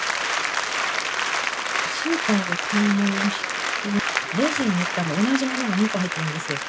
スーパーで買い物をして、レジに行ったら同じものが２個入ってるんですよ。